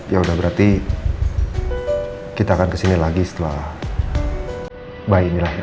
ya udah berarti kita akan kesini lagi setelah bayi lahir